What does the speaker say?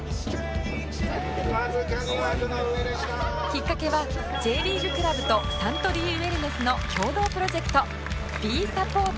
きっかけは Ｊ リーグクラブとサントリーウエルネスの共同プロジェクト Ｂｅｓｕｐｐｏｒｔｅｒｓ！